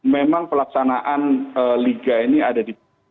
memang pelaksanaan liga ini ada di